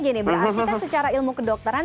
gini berarti kan secara ilmu kedokteran